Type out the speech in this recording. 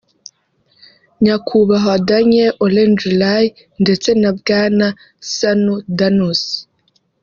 Nyakubahwa Daniel Ole Njoolay ndetse na Bwana Sanu Danusi